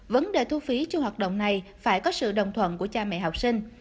vấn đề thu phí trong hoạt động này phải có sự đồng thuận của cha mẹ học sinh